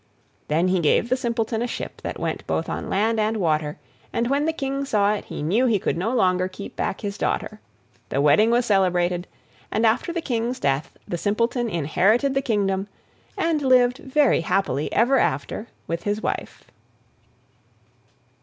Then he gave the Simpleton a ship that went both on land and water, and when the King saw it he knew he could no longer keep back his daughter. The wedding was celebrated, and after the King's death, the Simpleton inherited the Kingdom, and lived very happily ever after with his wife.